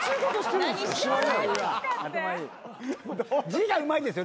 字がうまいんですよ